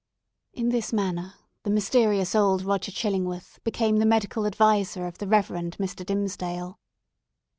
In this manner, the mysterious old Roger Chillingworth became the medical adviser of the Reverend Mr. Dimmesdale.